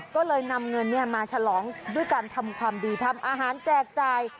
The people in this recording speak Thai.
ก็เลยนำเงินมาฉลองด้วยการทำความดีทำอาหารแจกจ่าย